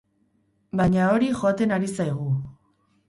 Baina hori joaten ari zaigu.